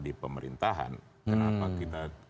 di pemerintahan kenapa kita